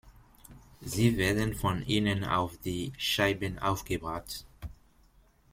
Sie werden von innen auf die Scheiben aufgebracht.